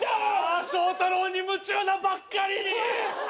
あ将太朗に夢中なばっかりに。